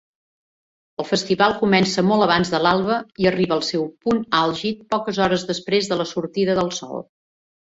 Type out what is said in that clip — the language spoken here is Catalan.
El festival comença molt abans de l'alba i arriba el seu punt àlgid poques hores després de la sortida del sol.